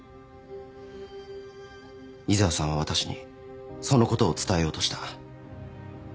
井沢さんは私にそのことを伝えようとした。